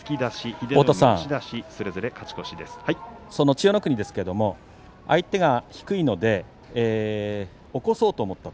千代の国ですけれども相手が低いので起こそうと思った。